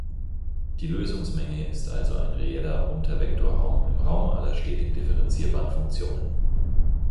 Die Lösungsmenge ist also ein reeller Untervektorraum im Raum aller stetig differenzierbaren Funktionen.